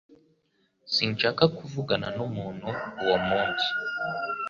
Sinshaka kuvugana numuntu uwo munsi